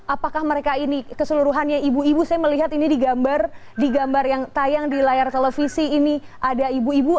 apakah mereka ini keseluruhannya ibu ibu saya melihat ini digambar di gambar yang tayang di layar televisi ini ada ibu ibu